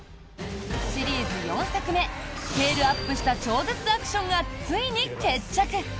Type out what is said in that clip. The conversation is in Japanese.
シリーズ４作目スケールアップした超絶アクションがついに決着。